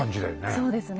そうですね。